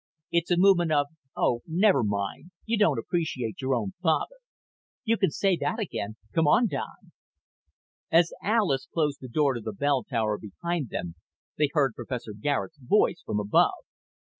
It's a movement of oh, never mind. You don't appreciate your own father." "You can say that again. Come on, Don." As Alis closed the door to the bell tower behind them, they heard Professor Garet's voice from above.